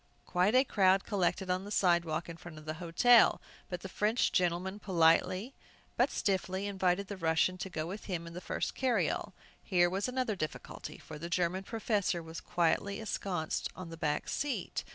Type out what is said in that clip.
Quite a crowd collected on the sidewalk in front of the hotel. But the French gentleman politely, but stiffly, invited the Russian to go with him in the first carryall. Here was another difficulty. For the German professor was quietly ensconced on the back seat!